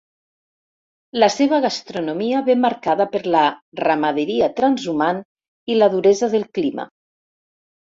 La seva gastronomia ve marcada per la ramaderia transhumant i la duresa del clima.